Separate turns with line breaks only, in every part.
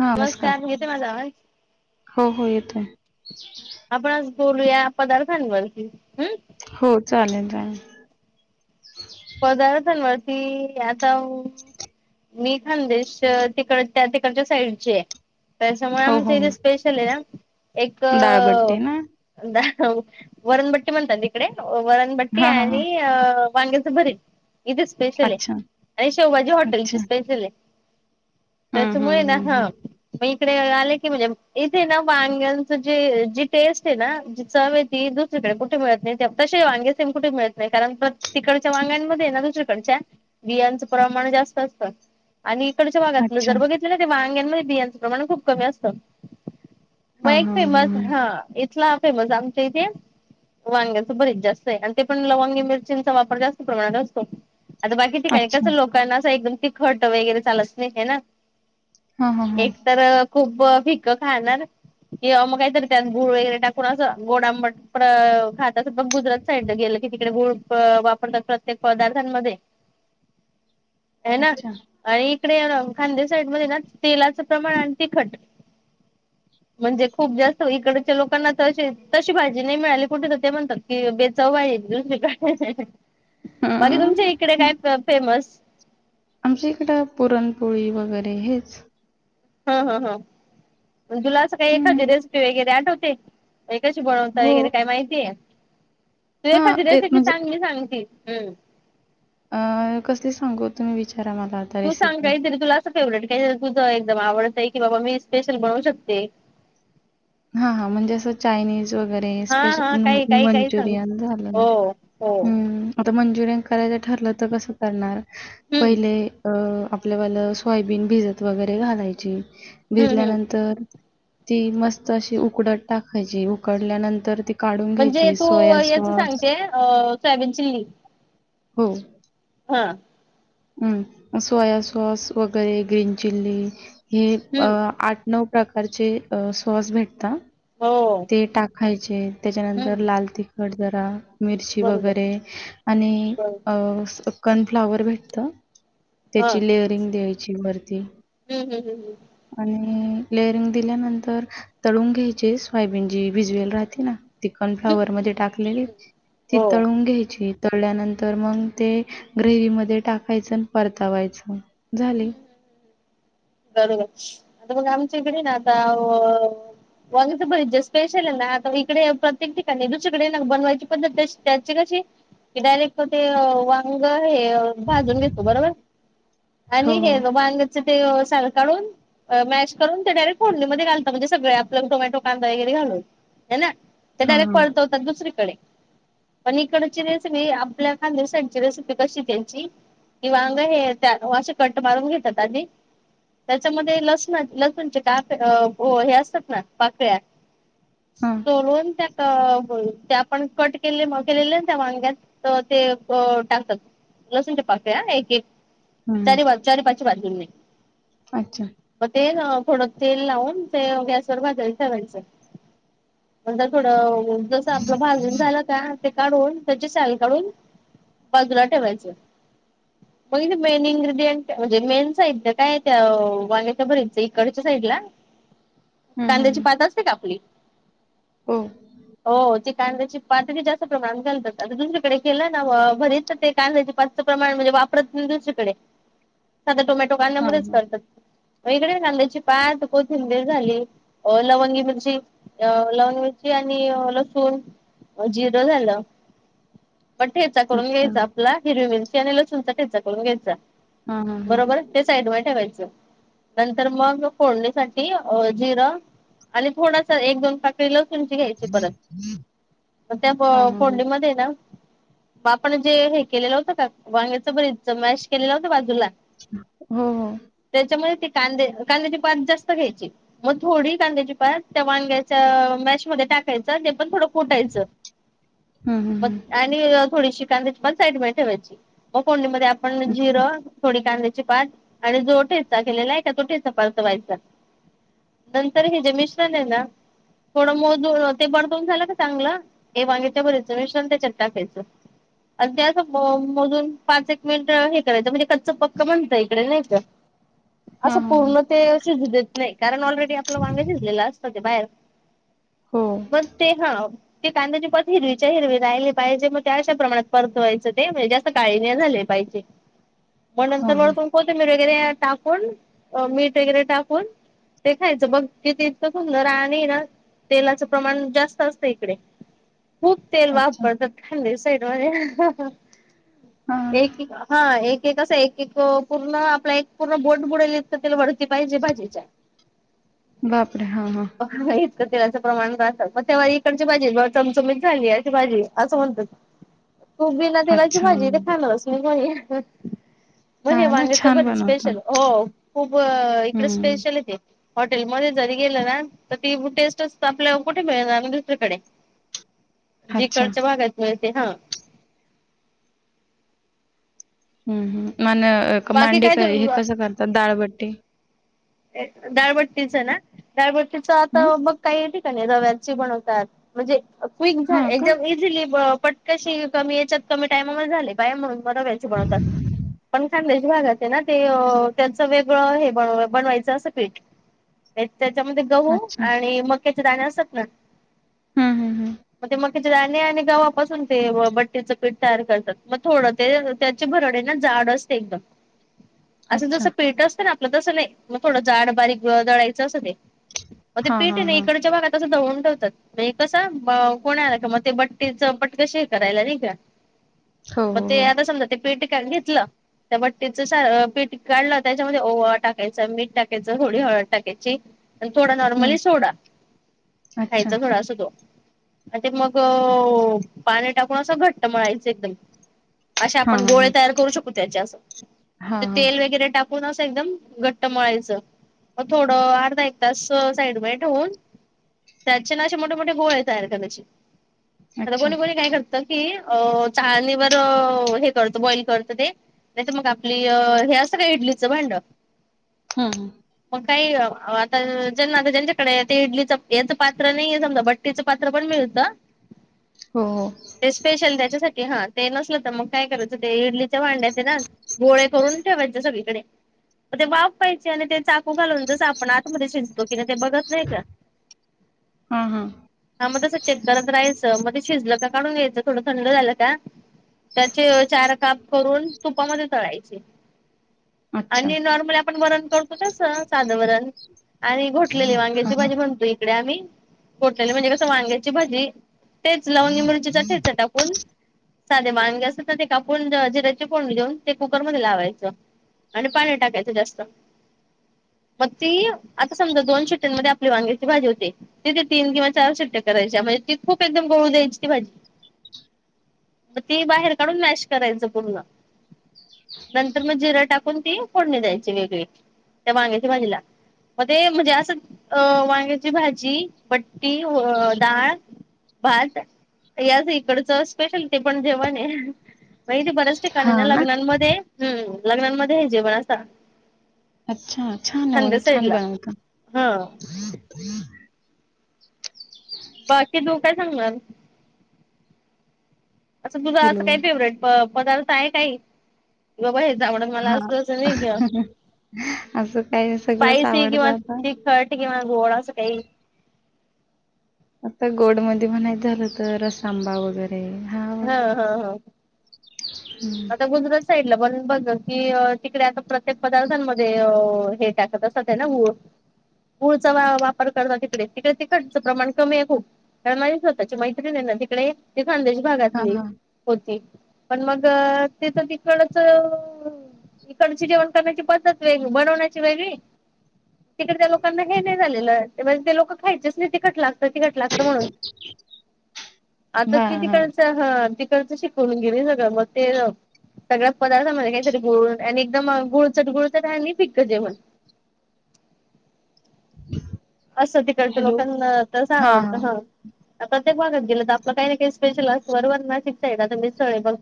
हा नमस्कार
येतोय माझा आवाज
हो हो येतोय
आपण बोलूया पदार्थनी बनती हम्
हो चालेल चालेल
पदार्थांवरती आता मी खांदेश तिकड त्या तिकडच्या साईडचे त्याच्यामुळे
हो हो
आमच्या इथे
हो
स्पेशल आहे ना एक
डाळबट्टी ना
द वरणबट्टी म्हणतात तिकडे वरणबट्टी
हां हां हां
आणि वांग्याच भरी इथे स्पेशल आहे
अच्छा
आणि शिभाजी हॉटेल ची
अच्छा
स्पेशल आहे
हं हं
त्याच्यामुळे ना
हं हं
हा म इडे आले की म्हणजे इथे ना वांग्यांच जे जी टेस्ट आहे ना जी चव आहे ती दुसरी कुठे मिळत नाही वांगे सेम कुठे मिळत नाही कारण तिकड ां दुसकड बियांच प्रमाण जास्त असत आणि डच्या भागातलं
अच्छा
जर बघितलं वांग्यांमध्ये बियांचं प्रमाण खूप कमी असत मग
हां
एक
हां हां
फेमस
हां
हा इथला फेमस आमच्या इथे वांग्याच बरीच जास्त आहे आणि ते पण लवांगी मिरचींचा वापर जास्त प्रमाणात असतो आता बाकी त काही कस
अच्छा
लोकांना अस एकदम खट वगैरे चालत नाही हे ना
हां हां हां
एक तर खूप भकं खाणार किंवा मग काहीतरी त्यात गूळ वगैरे टाकून असं गोडामट खात असग गुजरात साईड गेले तिकडे प्रत्येक पदार्थांमध्ये ह ना
अच्छा
आणि इकडे खांदे साईड मध्ये ना तेलाच प्रमाण आणि ते खट म्हणजे खूप जास्त इकडच्या लोकांना तर तशी भाजी नाही मिळाली कुठे तर ते म्हणतात की बेचावज दुसरीकडे
हं
बाकी तुमच्या इकडे
हं.
काय फेमस
आमच्या इकडं पुरणपोळी वगैरे हेच
हा हा हा तुला असं काही एकच
हं
रेसिपी वगैरे आठवते एककाशी बोलवता
हो
वगैरे काय माहितीय तू
हां
एखादी
ए
रेसिपी सांगली सांगती हम्म
अं कसली सांगू तुम्ही विचारा मला आता
तू सांग
रेसिपी
काहीतरी तुला असं फेवरेट का तुझं एकदम आवडत आहे की बाबा मी स्पेशल बनवू शकते
हा हा म्हणजे असं चायनीज व
हा हा
म
काही काही काही
मंजुर
सांग. हो हो.
करायचं ठरलं तर कसं करणार
हम्म
पहिले अ आपल्या मला सोयाबीन भिजत वगैरे घालायची
हम्म हम्म
भिजल्यानंतर ती मस्त अशी उकडत टाकायची उकडल्यानंतर त
म्हणजे तू याच सांगते सोयाबीन चिली
हो
हा
हम्म सोया सॉस वगैरे ग्रीन चिली हे
हम्म.
आठ नऊ प्रकारचे सॉस भेटत
हो.
ते टाकायचे त्याच्यानंतर
हम्म.
लाल तिखट जरा मिरची
बरोबर.
वगैरे आणि
बर
कनफ्लावर भेटत
हा
त्याची लेअरिंग द्यायची मर
हम्म हम्म हम्म हम्म
लेअरिंग दिल्यानंतर तळून घ्यायचे स्यबीनजी भिजवेल राहते ना चिकन
हम्म
फ्लावर
हम्म हम्म.
मध्ये टाकलेली
हम्म.
ती
हो.
तळून घ्यायची उ तळल्यानंतर मग ते ग्रेवी मध्ये टाकायचं परतावायचं झाली
हम्म हम् बरोबर आता मग आमचीकडे ना आता. वांग्याचे भरीत तर बरीच स्पेशल आहे ना आता इकडे प्रत्येक ठिकाणी दुचकडे ना बनवायची पण त्याची कशी डायरेक्ट मग ते वांग हे भाजून घेतो बरोबर आणि
हो हो
हे बांग्याच ते साार काढून, मॅश करून ते डायरेक्ट फोडणीमध्ये घालत म्हणजे सगळे आपलं टोमॅटो, कांदा, वैरे घालून. ह ना ते
हां
डायरेक्ट
हां
पालतात दुसरीकडे पण इकडची रेसिपी आपल्या खानदेश साईडची रेसिपी कशी त्यांची. वांग अगा हे त्या अशीे कट मारून घेतात आधी, त्याच्यामध्ये लसण लसूणचे काय हे असतात ना पाकळ्या.
हां
सोलून त्या तर हो ते आपण कट केले केलेले त्या वांग्यात तर ते टाकत. लसूणच्या पएक एक
हं
चारी
हं
चार पाच बाजून
अच्छा
मग ते थोडं तेल लावून ते गॅसवरर थोडं जस आपलं भागून झालं का, काढून त्याची सल काढून बाजूला ठेवायच मेन इन्ग्रेडियंट म्हणजे मेन साईड काय त्या भरीच इकडच्या साईड ला
हं हं
कांद्याची
हं
पात असते का आपली,
हो
हो ती कांद्याची पात जास्त प्रमाणात घालतात दुसरीकडे केलं ना भरीत ते कांद्याची पाच प्रमाण म्हणजे वापरत नाही दुसरीकडे, आ टोमॅटो
हां
काढण्यामध्येच
हां
करतात मग इकडे कांदाायची पात कोथिंबीर झाली लवंगी मिरची लवंगी मिरची आणि लसूण जिरं झालं. पण ठेचा करून
अच्छा
घ्यायचा आपला हिरवी मिरची आणि लसूणचा ठेचा करून घ्यायचा,
हां हां हां
बरोबर त्या साईड वर ठेवायचं नंतर मग फोडणीसाठी अ, जिर आणि थोडसं एक दोन [unintelligible] तुची घ्यायची परत, त्या
हां हां हां
फोडणीमध्ये ना आपण जे हे केलेलं होतं का वांग्याचं भरीत मॅश केलेलं होत बाजूला
हो हो.
कां कांद्याची पात जास्त घ्यायची मग थोडी कांद्याची पात त्या वांग्याच्या मॅच मध्ये टाकायचे. टाकायच आणि ते पण थोडं खुटायचं.
हं हं
मग
हं
आणि थोडीशी कांद्याची पात साईटला ठेवायची मग फोडणीमध्ये आपण परत मग
हं
जिरं, आणि कांद्याची पाात आणि जोे ठेचा केलेला आहे का तोे परतवायचा. नंतर हे जे मिश्रण आहे ना, थोडं मोज ते परतवून झालं का चांगलं हे वांगेच भरीत मिश्रण त्याच्या टाका्यायचं. आणि ते मोजून पाच एक मिनिट हे करायचं म्हणजे. कच्च पक्क म्हणत इकडे नाही तर असं
हां हां हां
पूर्ण ते शिजू देत नाही. कारण ऑलरेडी आपलं वांग शिजलेलं असत ते बाहेर,
हो
पण ते हा, ते कांद्याची पत हिरवीच्या हिरवी राहिले पाहिजे मग त्या अशा प्रमाणात परतवायचं ते म्हणजे जास्त काळने झाले पा हिजे
हां
नंतर
हां
वगैरे टाकून मीठ वगैरे टाकून, ते खायचं बघ कितीतकं सुंदर आणि ना, तेलाचं प्रमाण जास्त असतं इकडे. खूप तेल
अच्छा
वापरत खांदी साईड मध्ये.
हां ना
एक हा एक. कसं एक पूर्ण आपला एक पूर्ण बोट बुडेल इतकं तेल पाहिजे भाजीच्या
बापरे! हां, हां.
[unintelligible] तेलाचं प्रमाणात असतात. मग तवा इकडची भाजी चमचमीच झाली अशी भाजी असं म्हणतात. तो बिना तेलाची
अच्छा.
भाजी तर खाणारच नाही बाई. [unintelligible]
हां ना,
वांग्याच
छान
भरीत
बनवता.
स्पेशल हो खूप इकडे
हं.
स्पेशल आहे ते. हॉटेलमध्ये जरी गेलं ना तर ती [unintelligible] टेस्टच आपल्याला कुठे मिळणार दुसरीकडे.
अच्छा.
जिकडच्या भागात मिळते हं
हमहम आणि
बाकी
मांडी
काय
हे
तर
कसं करतात डाळ बाटी.
डाळबट्टीच ना डाळबट्टी आता
हं?
मग [unintelligible] रव्याची बनतात म्हणजे क्विक
हां का?
एकदम इजिली पण कशी कमी याच्यात कमी टायमा मध्ये झाली पाहिजे म्हणून रव्याची बनवतात पण खानदेशी भागात हे ते याच वेगळं हे बनवायचं असं पीठ. त्याच्यामध्ये गहू
अच्छा.
आणि मक्याचे दाणे असतात ना
हं, हं, हं.
मक्याचे दाणे आणि गव्हापासूनते बट्टीचं पीठ तयार करतात मग थोड ते त्याची भरडी जाड असते एकदम. असं
अच्छा.
जसं पीठ असतं ना आपलं, तसं नाही मग थोडं जाड बारीक ग दळायचं असं ते. मग ते
हां,
पीठ
हां,
हय ना
हां.
इकडच्या भागात असो दळून ठेवतात मग कसा कोणा आला की मग ते बट्टीच पटकशी हे करायला नाही का?
हो,
मग
हो,
ते
हो.
आता समदा ते पीठ अन घेतलं त्या बट्टीच सा पीठ काढलं त्याच्यामध्ये ओवा टाकायचं. मीठ टाकायचं होळी हळद टाकायची. थोडा
हं.
नॉर्मली सोडा,
अच्छा.
खायचा थोडा असतो तो. आणि ते मग पाणी टाकून असं घट्ट मळायच एकदम. असे
हां,
आपण
हां,
गोळे
हां.
तयार करू शकू त्याचे असं म्हजे
हां, हां.
तेल वगैरे टाकून असं एकदम घट्ट तर मळायचं मग थोडं अर्धा एक तास साईड बाय ठेऊन त्याचे ना असे मोठे मोठे गोळे तयार करायचे. आता
अच्छा.
कोणी, कोणी काय करत की अ चाळणीवर अ हे तळत, वडी तळत ते नाही तर मग आपली हे असतं ना इडलीचं भांड
हम्मह.
मग काही आता जना आता ज्यांच्याकडे इडलीच याचं पात्र नाहीये समजा भट्टीचं पात्र [unintelligible] [unintelligible]
हो, हो.
ते स्पेशल त्याच्यासाठी हा ते नसलं तर मग काय करायचं ते इडली त्या भांड्यात ना गोळे करून ठेवायचे सगळीकडे. ते वाफ पाहिजे आणि ते [unintelligible] ू [unintelligible] घालून जसं आपण आतमध्ये शिजतो कि नाही ते बघत नाही का?
हां, हां.
हा मग तसं चेक करात राहायचं मग ते शिजलं का काढून घ्यायचं. थोड थंड झालं का त्याचे चार काप करून तुपामध्ये तळायचे
अच्छा.
आणि [unintelligible] आपण वरण करतो तस साधं वरण आणि घोटलेली वांग्याची भाजी म्हणतो इकडे आम्ही घोटलेली म्हणजे कसं वांग्याची भाजी तेच लावून मिरचीचा ठेचा टाकून साधे मानगे असतं ते कापून जिऱ्याचे फोडणी देऊन ते कुकरमध्ये लावायचं. आणि पाणी टाकायचं जास्त, मग ती आता दोन शिट्ट्यांमध्ये आपली वांगी भाजी होते तिथे तीन किंवा चार शिट्ट्या करायच्या म्हणजे ती खूप एकदम [unintelligible] द्यायची ती भाजी. मग ते बाहेर काढून मॅश करायचं पूर्ण नंतर मग जिरां टाकून ती फोडणी द्यायची वेगळी त्या वांग्याची भाजीला. मग ते म्हणजे असं अ वांग्याची भाजी बट्टीडाळ भात याच इकडच स्पेशल ते पण जेवणहे [unintelligible] बऱ्याच ठिकाणी ना लग्नांमध्ये, हम्म, लग्नामध्ये हे जेवण असा.
अच्छा छान आहे. छान
साईडला.
बनवता.
हा बाकी तू काय सांगणार? असं तुझा असं
हॅलो.
काही फेवरेट पदार्थ आहे काही कि बाबा हेच [unintelligible] आवडंत मला
हां.
असल असेल नाही का
असं काय सगळंच
स्पायसी
आवडतं
किंवा
आता.
तिखट किंवा गोड असं काही
आता गोड मध्ये म्हणाय झालं तर रस आंबा वगैरे
हा हा हा आता गुजरात साईड पण बघ की तिकडे आता प्रत्येक पदार्थांमध्ये कत अससत आहे ना हो [inaudible] गूळचा वापर करत तिकडे तिकडे तिकडचं प्रमाण कमी आहे खूप कारण माझी स्वतःची मैत्रीण आहे ना तिकडे त खानदेश
हा
भागातली
हा
होती पण मग ते तर तिकडच इकडची जेवण करण्याची पद्धत वेगळी बनवण्याची वेगळी तिकडे त्या लोकांना हे नाही झालेलं ते ते लोकं खायच नाही तेिक कटला तिकट लागत म्हणून आता ती तिथंच हा तिकडच शिकवून गेली सगळं मग ते जाऊ सगळ्या पदार्थामध्ये काहीतरी गुळ आणि एकदम गुळचट गुळचट आणि फिकं जेवण [inaudible]
ह [unintelligible]
असं तिकडतं लोकांना तस
हा हा
आवडतं हा प्रत्येक भागात गेलं तर आपलं काही नाही काही स्पेशल असतं बरोबर नाशिक साईड मिस्सळ पाव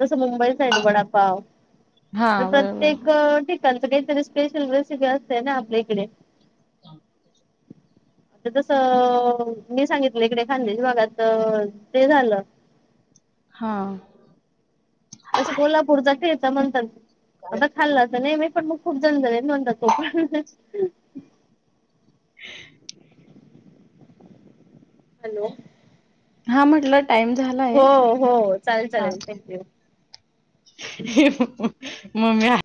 जस मुंबई साईड वडापाव
हा
तसं
बरोबर
प्रत्येक काहीतरी स्पेशल रेसिपी असते ना आपल्या इकडे हम आता तसं मी सांगितलं इकडे खांदेच्या भागात ते झालं [unintelligible]
हा
तसं कोल्हापूरचा ठेचा म्हणतात आता खाल्ला नाही मी पण मग खूप जण झाले नणंद खूप... हॅलो....
हा म्हटलं टाइम
हो
झालाय
हो चालेल
हा...
चालेल थँक्यू.
मम्म्या..